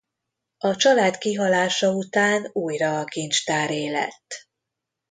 A család kihalása után újra a kincstáré lett.